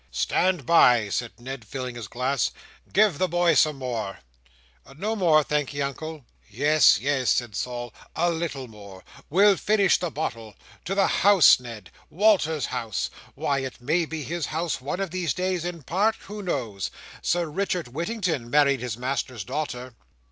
"Stand by!" said Ned, filling his glass. "Give the boy some more." "No more, thank'e, Uncle!" "Yes, yes," said Sol, "a little more. We'll finish the bottle, to the House, Ned—Walter's House. Why it may be his House one of these days, in part. Who knows? Sir Richard Whittington married his master's daughter."